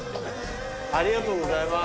ありがとうございます。